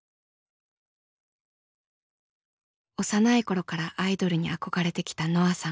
幼い頃からアイドルに憧れてきたのあさん。